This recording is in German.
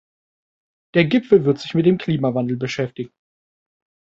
Der Gipfel wird sich mit dem Klimawandel beschäftigen.